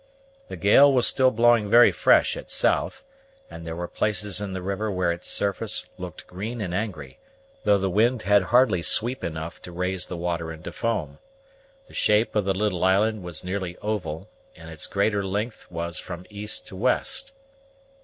The gale was still blowing very fresh at south; and there were places in the river where its surface looked green and angry, though the wind had hardly sweep enough to raise the water into foam. The shape of the little island was nearly oval, and its greater length was from east to west.